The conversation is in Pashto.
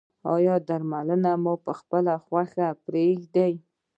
ایا درمل مو پخپله خوښه پریښي دي؟